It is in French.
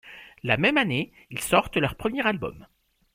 La même année, ils sortent leur premier album.